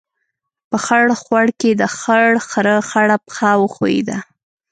په خړ خوړ کې، د خړ خرهٔ خړه پښه وښیوده.